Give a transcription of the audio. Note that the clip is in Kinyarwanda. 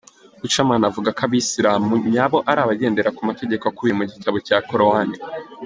Buchanan avuga ko Abasilamu nyabo ari abagendera ku mategeko akubiye mu gitabo cya Korowani.